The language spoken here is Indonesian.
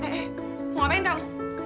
eh eh mau ngapain kang